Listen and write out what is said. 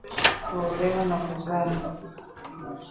kuolewa na kuzaa